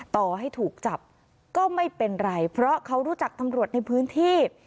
ต่อให้ถูกจับก็ไม่เป็นไรเพราะเขารู้จักตำรวจในพื้นที่